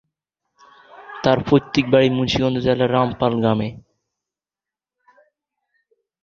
তার পৈতৃক বাড়ি মুন্সিগঞ্জ জেলার রামপাল গ্রামে।